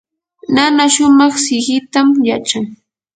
nana shumaq siqitam yachan.